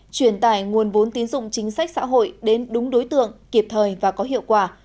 truyền tải nguồn vốn tín dụng chính sách xã hội đến đúng đối tượng kịp thời và có hiệu quả